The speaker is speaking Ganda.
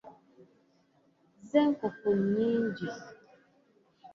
Ze nkofu enyingi.